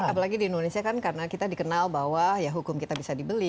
apalagi di indonesia kan karena kita dikenal bahwa ya hukum kita bisa dibeli